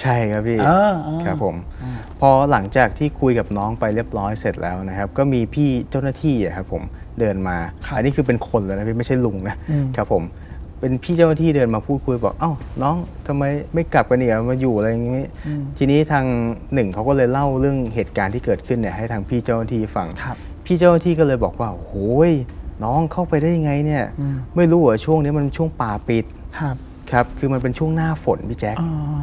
ใช่ครับพี่ครับผมพอหลังจากที่คุยกับน้องไปเรียบร้อยเสร็จแล้วนะครับก็มีพี่เจ้าหน้าที่ครับผมเดินมาค่ะนี่คือเป็นคนเลยนะไม่ใช่ลุงนะครับผมเป็นพี่เจ้าหน้าที่เดินมาพูดคุยบอกอ้าวน้องทำไมไม่กลับกันเนี่ยมาอยู่อะไรอย่างงี้ทีนี้ทางหนึ่งเขาก็เลยเล่าเรื่องเหตุการณ์ที่เกิดขึ้นเนี่ยให้ทางพี่เจ้าหน้าที่ฟังครับพี่เ